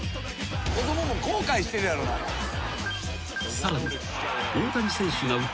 ［さらに］